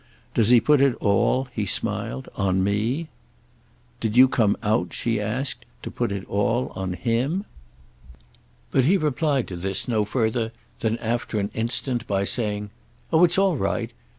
Does he put it all," he smiled, "on me?" "Did you come out," she asked, "to put it all on him?" But he replied to this no further than, after an instant, by saying: "Oh it's all right.